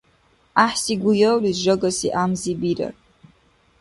ГӀяхӀси гуявлис жагаси гӀямзи бирар.